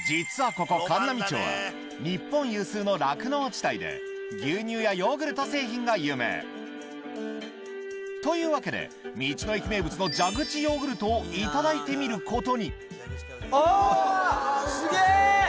今回もそれでは実は牛乳やヨーグルト製品が有名というわけで道の駅名物の蛇口ヨーグルトをいただいてみることにすげぇ！